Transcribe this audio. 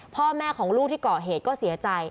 พ่อแม่ของลูกที่เกาะเหตุก็เสียใจ